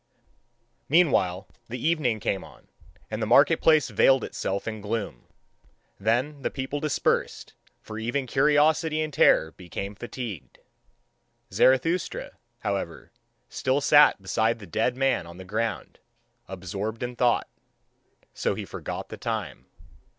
Meanwhile the evening came on, and the market place veiled itself in gloom. Then the people dispersed, for even curiosity and terror become fatigued. Zarathustra, however, still sat beside the dead man on the ground, absorbed in thought: so he forgot the time.